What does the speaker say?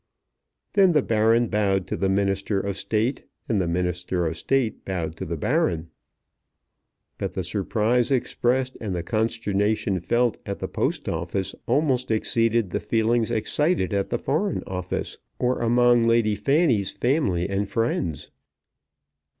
Then the Baron bowed to the Minister of State, and the Minister of State bowed to the Baron. But the surprise expressed and the consternation felt at the Post Office almost exceeded the feelings excited at the Foreign Office or among Lady Fanny's family and friends.